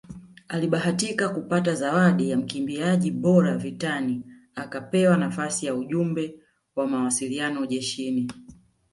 Alibahatika kupata zawadi ya mkimbiaji bora vitani akapewa nafasi ya ujumbe wa mawasiliano jeshini